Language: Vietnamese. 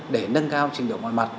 để nâng cao trình độ ngoài mặt